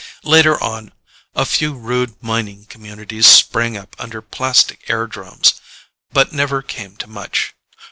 Later on, a few rude mining communities sprang up under plastic airdromes, but never came to much.